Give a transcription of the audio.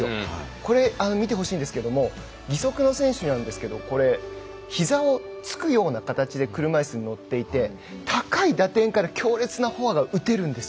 これ、見てほしいんですけど義足の選手なんですけど膝をつくような形で車いすに乗っていて高い打点から強烈なフォアが打てるんです。